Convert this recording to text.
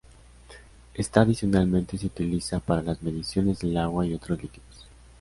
Esta adicionalmente se utiliza para las mediciones del agua y otros líquidos.